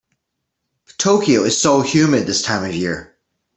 Tokyo is so humid this time of year.